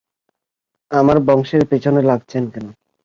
আমার বংশের পিছনে লাগছেন কেন?